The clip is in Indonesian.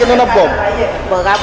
saya takut kan